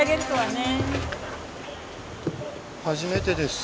初めてです。